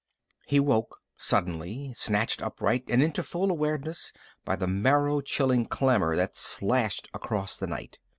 He woke suddenly, snatched upright and into full awareness by the marrow chilling clamor that slashed across the night.